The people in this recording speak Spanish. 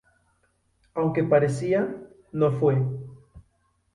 Aunque parecía, no fue.